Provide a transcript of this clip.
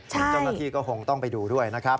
เจ้าหน้าที่ก็คงต้องไปดูด้วยนะครับ